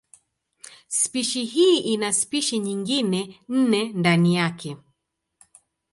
Spishi hii ina spishi nyingine nne ndani yake.